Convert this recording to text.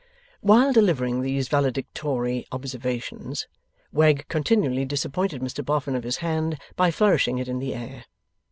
While delivering these valedictory observations, Wegg continually disappointed Mr Boffin of his hand by flourishing it in the air.